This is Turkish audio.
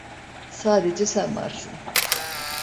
Sadece sen varsın.